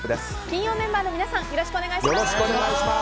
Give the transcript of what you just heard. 金曜メンバーの皆さんよろしくお願いします。